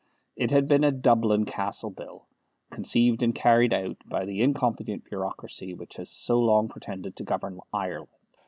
It had been a Dublin Castle Bill, conceived and carried out by the incompetent bureaucracy which has so long pretended to govern Ireland.